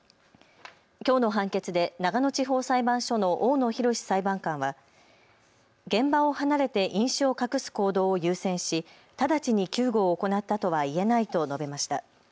きょうの判決で長野地方裁判所の大野洋裁判官は現場を離れて飲酒を隠す行動を優先し、直ちに救護を行ったとはいえないと述べました。